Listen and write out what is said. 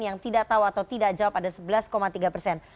yang tidak tahu atau tidak jawab ada sebelas tiga persen